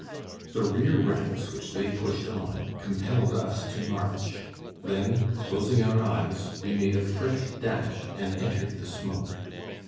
The rear ranks, which they pushed on, compelled us to march. Then, closing our eyes, we made a fresh dash and entered the smoke.